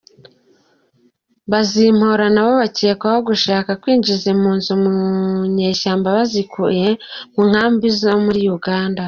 Bazimpora nabo bakekwaho gushaka kwinjiza impunzi mu nyeshyamba bazikuye mu nkambi zo muri Uganda.